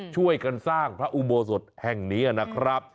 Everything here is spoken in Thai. ช่วยกันสร้างพระอุโบสถแห่งนี้นะครับ